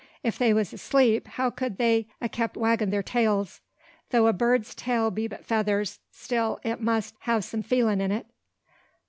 If they was asleep, how kud they a kep waggin' thar tails? Though a bird's tail be but feathers, still it must ha' some feelin' in it."